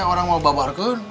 orang mau babarkan